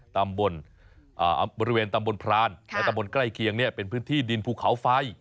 ตำบนอ่าบริเวณตำบนพรานค่ะและตำบนใกล้เคียงเนี่ยเป็นพื้นที่ดินภูเขาไฟ